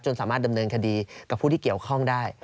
สามารถดำเนินคดีกับผู้ที่เกี่ยวข้องได้